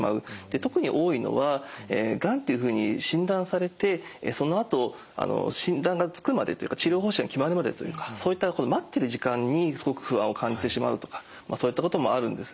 特に多いのはがんっていうふうに診断されてそのあと診断がつくまでというか治療方針が決まるまでというかそういった待ってる時間にすごく不安を感じてしまうとかそういったこともあるんですね。